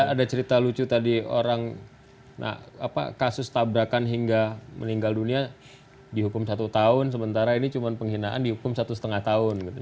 ada cerita lucu tadi orang kasus tabrakan hingga meninggal dunia dihukum satu tahun sementara ini cuma penghinaan dihukum satu lima tahun gitu